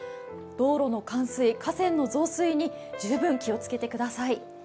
道路の冠水、河川の増水に十分気をつけてください。